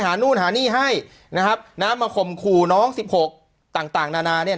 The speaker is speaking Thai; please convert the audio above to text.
นู่นหานี่ให้นะครับน้ำมาข่มขู่น้องสิบหกต่างต่างนานาเนี่ย